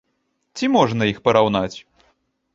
Ці можна іх параўнаць?